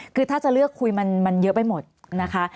คือถ้าจะเลือกคุยเกี่ยวกันมากไปหมดนะคะ